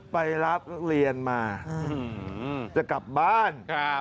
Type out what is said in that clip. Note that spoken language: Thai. ไปรับเรียนมาจะกลับบ้าน